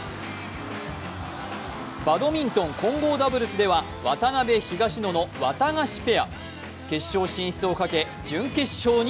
バドミントン混合ダブルスでは渡辺・東野のワタガシペア。